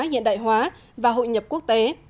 hiện đại hóa và hội nhập quốc tế